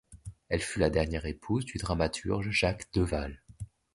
Elle fut la dernière épouse du dramaturge Jacques Deval.